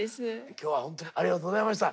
今日はホントにありがとうございました。